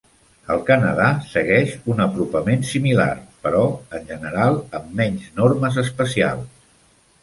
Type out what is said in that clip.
El Canadà segueix un apropament similar, però en general amb menys normes especials.